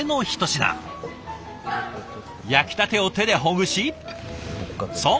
焼きたてを手でほぐしそう！